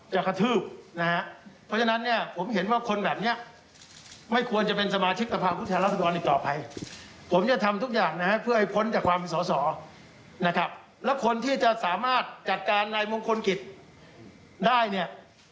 โดยการไหนมงคลกิจได้เนี่ย